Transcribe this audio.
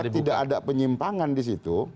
tidak ada penyimpangan di situ